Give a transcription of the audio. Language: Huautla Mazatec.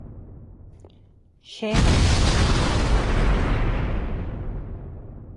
Jé nchikan nijme.